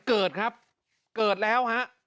เกิดครับเกิดแล้วฮะ